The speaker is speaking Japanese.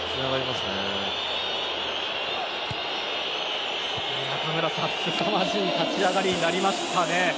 すさまじい立ち上がりになりましたね。